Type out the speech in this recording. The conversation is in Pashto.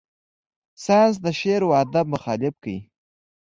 ساینس د شعر و ادب مخالفت کړی.